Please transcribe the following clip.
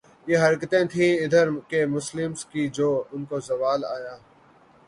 یہ حرکتیں تھیں ادھر کے مسلمز کی جو ان کو زوال آیا